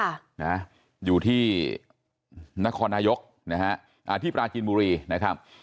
นะอยู่ที่นครนายกนะฮะอ่าที่ปราจีนบุรีนะครับ